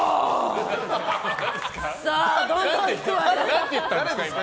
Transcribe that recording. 何やったんですか？